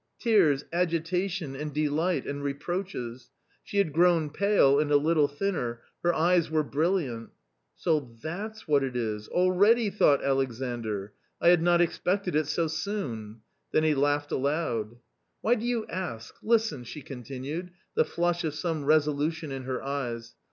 tears, agitation, and delight and reproaches ? She had grown pale and a little thinner, her eyes were brilliant " So that's what it is ! already !" thought Alexandr, " I had not expected it so soon !" Then he laughed aloud. " Why do you ask ? Listen," she continued, the flash of some resolution in her eyes.